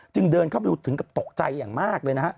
จึงเข้าไปเห็นกับตกใจอย่างมากเลย